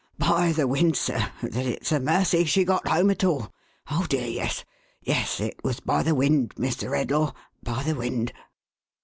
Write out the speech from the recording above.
"— By the wind, sir — that it's a mercy she got home at all. Oh dear, yes. Yes. It was by the wind, Mr. Redlaw. By the wind.